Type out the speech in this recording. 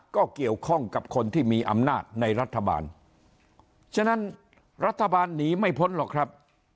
ก็เกี่ยวข้องกับคนที่มีอำนาจในรัฐบาลฉะนั้นรัฐบาลหนีไม่พ้นหรอกครับ